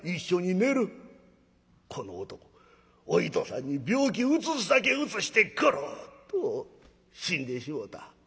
この男お糸さんに病気うつすだけうつしてゴロッと死んでしもた。